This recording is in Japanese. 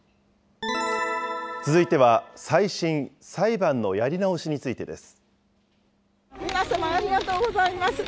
続いては再審・裁判のやり直しについてです。